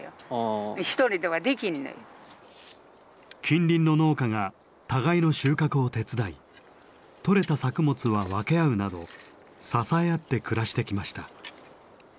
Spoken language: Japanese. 近隣の農家が互いの収穫を手伝い取れた作物は分け合うなど支え合って暮らしてきました。